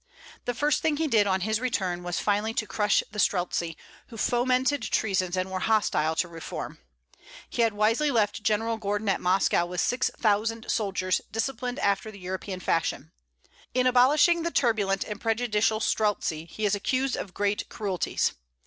The first thing he did, on his return, was finally to crush the Streltzi, who fomented treasons and were hostile to reform. He had wisely left General Gordon at Moscow with six thousand soldiers, disciplined after the European fashion. In abolishing the turbulent and prejudicial Streltzi, he is accused of great cruelties.